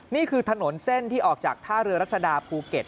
นี่คือถนนเส้นที่ออกจากท่าเรือรัศดาภูเก็ต